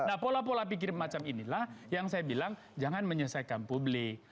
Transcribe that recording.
nah pola pola pikir macam inilah yang saya bilang jangan menyelesaikan publik